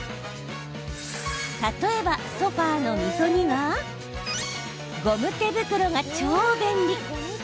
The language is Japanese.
例えばソファーの溝にはゴム手袋が超便利。